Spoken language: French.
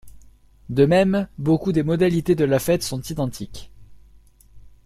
De même, beaucoup des modalités de la fête sont identiques.